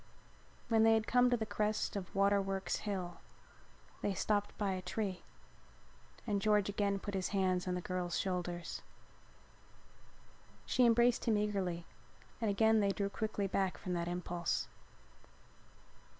When they had come to the crest of Waterworks Hill they stopped by a tree and George again put his hands on the girl's shoulders. She embraced him eagerly and then again they drew quickly back from that impulse.